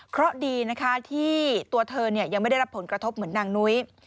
เพราะดีนะคะที่ตัวเธอยังไม่ได้รับผลกระทบเหมือนนางนุ้ย